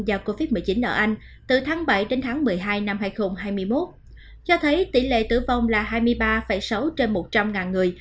do covid một mươi chín ở anh từ tháng bảy đến tháng một mươi hai năm hai nghìn hai mươi một cho thấy tỷ lệ tử vong là hai mươi ba sáu trên một trăm linh người